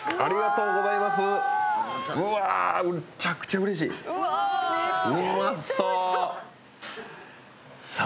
うまそう！